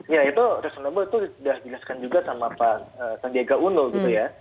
ya itu reasonable itu sudah dijelaskan juga sama pak sandiaga uno gitu ya